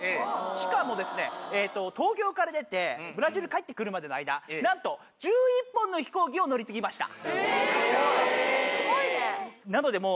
しかも東京から出て、ブラジル帰ってくるまでの間、なんと１１本の飛行機を乗り継ぎました。